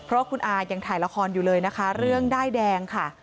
เพราะว่าคุณอายังถ่ายละครอยู่เลยนะคะเรื่องด้ายแดงค่ะ